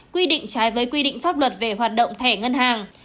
quy định trái với quy định pháp luật về hoạt động thẻ ngân hàng